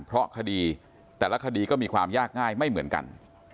เพราะคดีแต่ละคดีก็มีความยากง่ายไม่เหมือนกัน